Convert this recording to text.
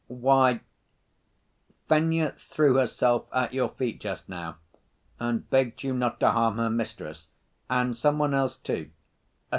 "Why, Fenya threw herself at your feet just now, and begged you not to harm her mistress, and some one else, too